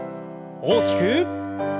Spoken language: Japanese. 大きく。